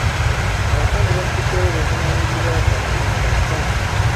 Abakazi basuddewo obuvunaanyizibwa bwabwe mu maka.